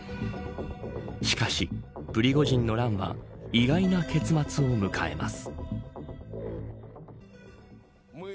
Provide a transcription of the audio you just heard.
しかしプリゴジンの乱は意外な結末を迎えます。